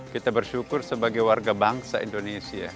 kita bersyukur sebagai warga bangsa indonesia